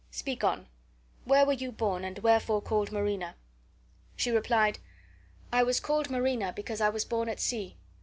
Speak on. Where were you born, and wherefore called Marina?" She replied: "I was called Marina because I was born at sea.